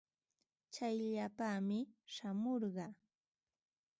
Tsayllapaami shamurqaa.